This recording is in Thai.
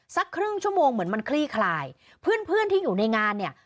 สักครึ่งชั่วโมงเหมือนมันคลี่คลายเพื่อนเพื่อนที่อยู่ในงานเนี่ย